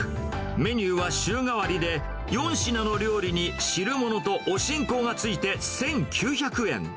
メニューは週替わりで４品の料理に汁物とおしんこがついて１９００円。